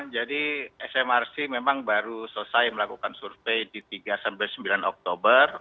jadi smrc memang baru selesai melakukan survei di tiga sampai sembilan oktober